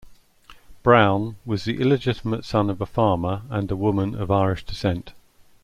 Brown was the illegitimate son of a farmer and a woman of Irish descent.